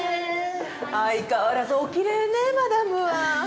相変わらずおきれいねマダムは。